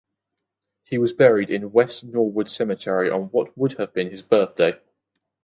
He was buried in West Norwood Cemetery on what would have been his birthday.